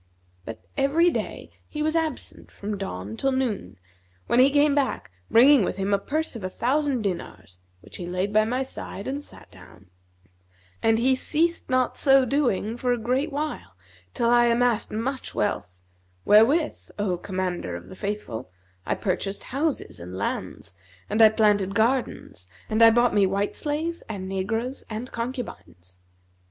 But, every day, he was absent from dawn till noon, when he came back bringing with him a purse of a thousand dinars, which he laid by my side, and sat down; and he ceased not so doing for a great while, till I amassed much wealth, wherewith, O Commander of the Faithful, I purchased houses and lands, and I planted gardens and I bought me white slaves and negroes and concubines.